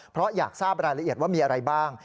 เพราะอยากทราบรายละเอียดว่ามีอะไรบ้าง